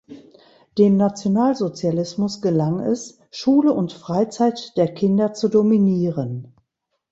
Dem Nationalsozialismus gelang es, Schule und Freizeit der Kinder zu dominieren.